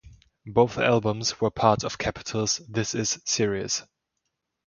Both albums were part of Capitol's "This Is" series.